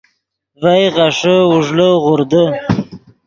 ڤئے غیݰے اوݱڑے غوردے